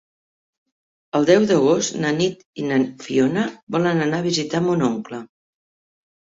El deu d'agost na Nit i na Fiona volen anar a visitar mon oncle.